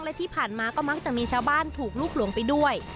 และที่ผ่านมาก็มักจะมีชาวบ้านถูกลุกหลงไปด้วย